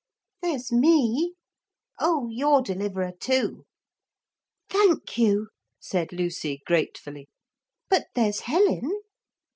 'There's me.' 'Oh, you're Deliverer too.' 'Thank you,' said Lucy gratefully. 'But there's Helen.'